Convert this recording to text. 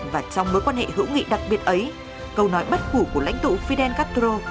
và trong mối quan hệ hữu nghị đặc biệt ấy câu nói bất khủ của lãnh tụ fidel castro